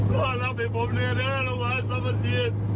พ่อรับให้ผมแน่ละหวานสมสิทธิ์